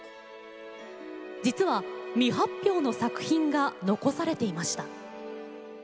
実は、未発表の作品が残されていました。